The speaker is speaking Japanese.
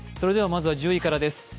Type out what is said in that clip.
まずは１０位からです。